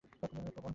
ও খুবই আবেগপ্রবণ।